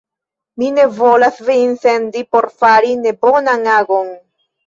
Mi ne volas vin sendi por fari nebonan agon!